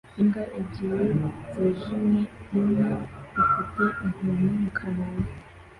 imbwa ebyiri zijimye imwe ifite inkoni mu kanwa